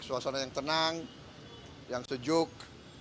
suasana yang tenang yang sejuk